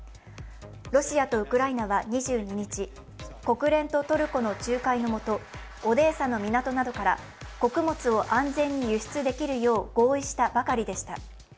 ロシアとウクライナは２２日、国連とトルコの仲介のもとオデーサの港などから穀物を安全に輸出できるよう合意したばかりでした。